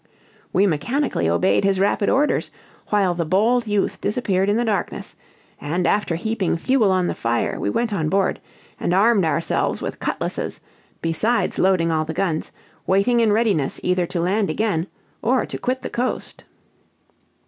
We mechanically obeyed his rapid orders, while the bold youth disappeared in the darkness; and, after heaping fuel on the fire, we went on board and armed ourselves with cutlasses, besides loading all the guns, waiting in readiness either to land again or to quit the coast.